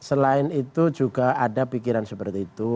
selain itu juga ada pikiran seperti itu